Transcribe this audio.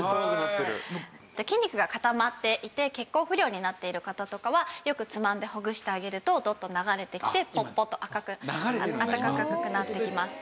筋肉が固まっていて血行不良になっている方とかはよくつまんでほぐしてあげるとドッと流れてきてポッポと赤く温かくなってきます。